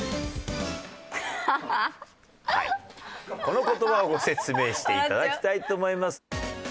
この言葉をご説明して頂きたいと思います。